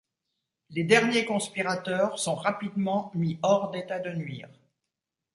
Les derniers conspirateurs sont rapidement mis hors d'état de nuire.